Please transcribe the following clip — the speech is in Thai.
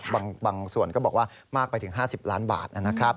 บางส่วนก็บอกว่ามากไปถึง๕๐ล้านบาทนะครับ